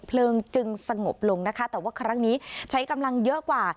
เพลิงจึงสงบลงนะคะแต่ว่าครั้งนี้ใช้กำลังเยอะกว่า